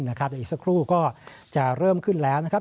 เดี๋ยวอีกสักครู่ก็จะเริ่มขึ้นแล้วนะครับ